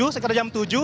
sekitar jam tujuh